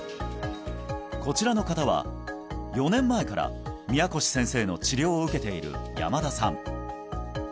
こちらの方は４年前から宮腰先生の治療を受けている山田さん